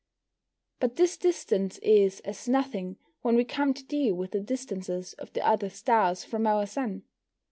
But this distance is as nothing when we come to deal with the distances of the other stars from our Sun.